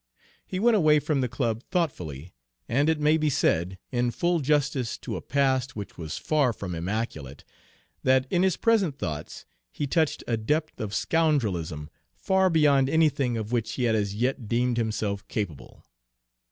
He went away from the club thoughtfully, and it may be said, in full justice to a past which was far from immaculate, that in his present thoughts he touched a depth of scoundrelism far beyond anything of which he had as yet deemed himself capable.